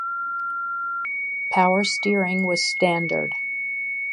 Power steering was standard.